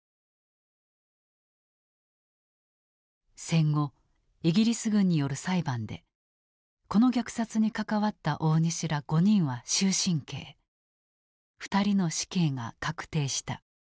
戦後イギリス軍による裁判でこの虐殺に関わった大西ら５人は終身刑２人の死刑が確定した。